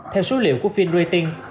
theo số liệu của finratings